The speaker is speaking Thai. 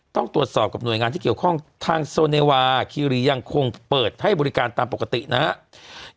ต้องตรวจสอบกับหน่วยงานที่เกี่ยวข้องทางโซเนวาคีรียังคงเปิดให้บริการตามปกตินะครับ